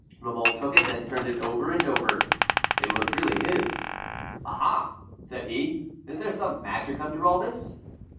La Mole took it and turned it over and over. It was really his. "Ah! ah!" said he, "is there some magic under all this?"